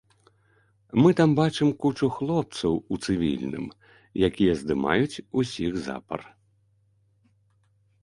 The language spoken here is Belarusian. Мы там бачым кучу хлопцаў у цывільным, якія здымаюць усіх запар.